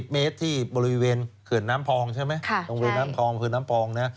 ๓๐เมตรที่บริเวณเขื่อนน้ำพองใช่ไหมตรงบริเวณน้ำพอง